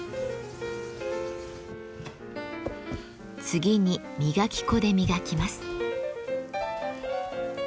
次に磨き粉で磨きます。